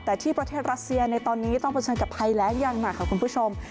แต่ที่ประเทศรัสเซียในตอนนี้ต้องประชันกับไทยและยังมากค่ะคุณผู้ชม